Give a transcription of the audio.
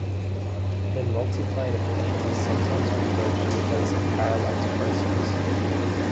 The multiplane effect is sometimes referred to as a parallax process.